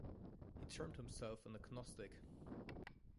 He termed himself an agnostic.